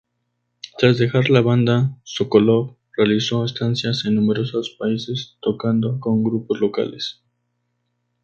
Tras dejar la banda, Sokolov realizó estancias en numerosos países, tocando con grupos locales.